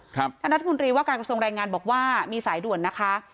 ครับท่านรัฐคุณรีว่าการกระทรวงรายงานบอกว่ามีสายด่วนนะคะ